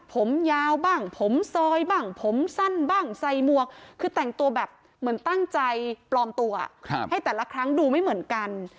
ผมยาวบ้างผมซอยบ้างผมสั้นบ้างใส่มวกคือแต่งตัวแบบเหมือนตั้งใจปลอมตัวให้แต่ละครั้งดูไม่เหมือนกัน